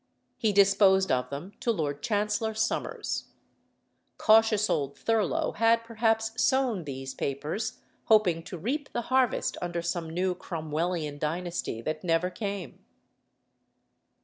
He disposed of them to Lord Chancellor Somers. Cautious old Thurloe had perhaps sown these papers, hoping to reap the harvest under some new Cromwellian dynasty that never came.